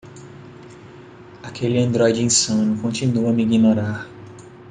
Aquele androide insano continua a me ignorar.